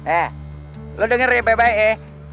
eh lo denger nih baik baik eh